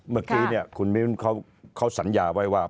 เมื่อกี้คุณมิ้นเขาสัญญาไว้ว่า